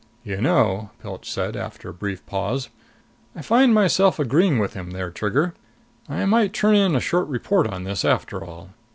"You know," Pilch said after a brief pause, "I find myself agreeing with him there, Trigger! I might turn in a short report on this, after all."